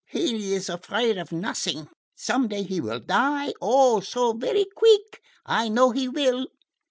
He is afraid of not'ing. Some day he will die, oh, so vaire queeck! I know he will."